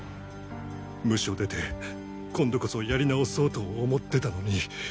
ムショ出て今度こそやり直そうと思ってたのに。